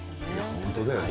本当だよね。